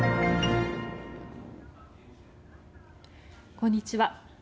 こんにちは。